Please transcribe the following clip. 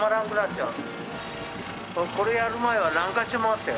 これやる前は何カ所もあったよ。